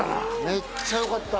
めっちゃ良かった。